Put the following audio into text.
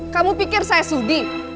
kamu pikir saya sudi